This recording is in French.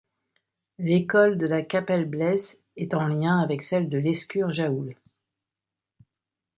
L'école de la Capelle-Bleys est en lien avec celle de Lescure-Jaoul.